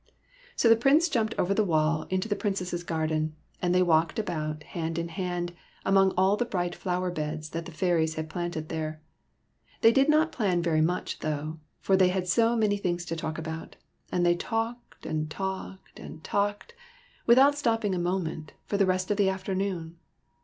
So the Prince jumped over the wall into the Princess's garden, and they walked about, hand in hand, among all the bright flower beds that the fairies had planted there. Tfiey did not play very much, though, for they had so m.any things to talk about; and they talked and talked and talked, without stopping a moment, for the rest of the afternoon.